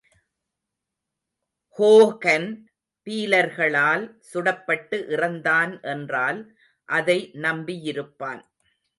Hogan பீலர்களால் சுடப்பட்டு இறந்தான் என்றால், அதை நம்பியிருப்பான்.